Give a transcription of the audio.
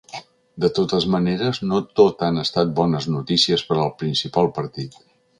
De totes maneres, no tot han estat bones notícies per al principal partit.